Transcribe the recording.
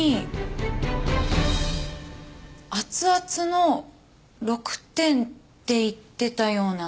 熱々の６点って言ってたような。